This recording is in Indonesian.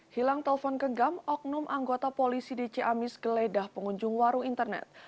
hilang telpon genggam oknum anggota polisi di ciamis geledah pengunjung warung internet